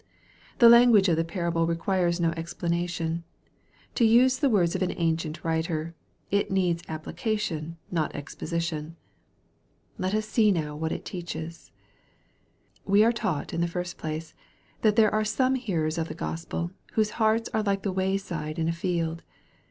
The language of the parable requires no explanation. To use the words of an ancient writer, " it needs appli cation, not exposition." Let us now see what it teaches. We are taught, in the first place, that there are some hearers of the Gospel, whose hearts are like the way side in afield.